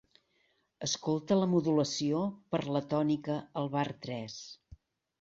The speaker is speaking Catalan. Escolta la modulació per la tònica al bar tres.